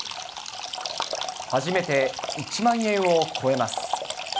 初めて１万円を超えます。